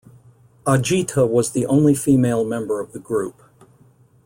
Ajitha was the only female member of the group.